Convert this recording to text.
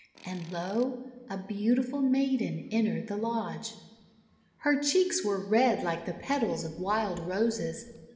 And, lo, a beautiful maiden entered the lodge. Her cheeks were red like the petals of Wild Roses.